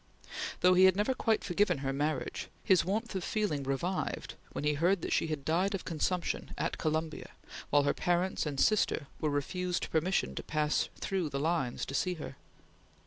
Though he had never quite forgiven her marriage, his warmth of feeling revived when he heard that she had died of consumption at Columbia while her parents and sister were refused permission to pass through the lines to see her.